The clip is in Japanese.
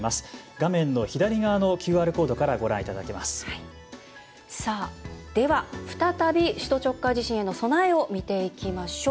画面の左側のＱＲコードからでは再び首都直下地震への備えを見ていきましょう。